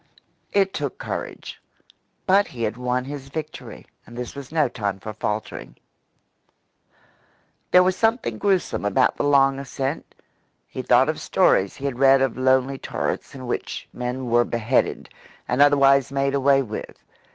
It took courage; but he had won his victory and this was no time for faltering. There was something gruesome about the long ascent. He thought of stories he had read of lonely turrets in which men were beheaded, and otherwise made away with.